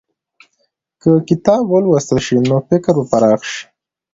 که کتاب ولوستل شي، نو فکر به پراخ شي.